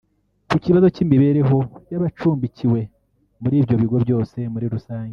Ku kibazo cy’imibereho y’abacumbikiwe muri ibyo bigo byose muri rusange